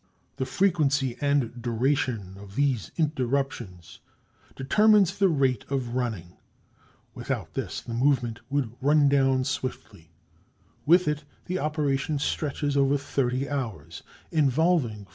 The frequency and duration of these interruptions determines the rate of running. Without this, the movement would run down swiftly; with it, the operation stretches over thirty hours, involving 432,000 interruptions.